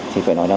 thì phải nói là